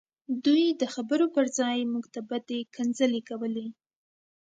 دوی د خبرو پرځای موږ ته بدې کنځلې کولې